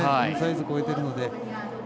ヒルサイズ越えてるので。